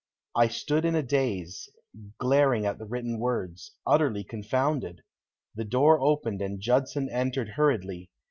I stood in a daze, glaring at the written words, utterly confounded. The door opened and Judson entered hurriedly.